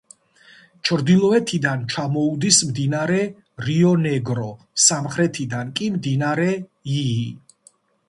ჩრდილოეთიდან ჩამოუდის მდინარე რიო-ნეგრო, სამხრეთიდან კი მდინარე იი.